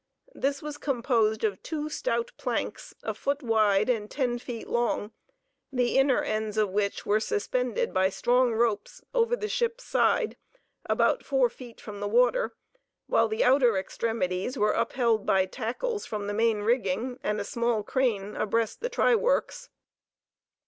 This was composed of two stout planks a foot wide and ten feet long, the inner ends of which were suspended by strong ropes over the ship's side about four feet from the water, while the outer extremities were upheld by tackles from the main rigging, and a small crane abreast the try works.